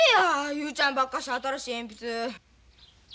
雄ちゃんばっかし新しい鉛筆。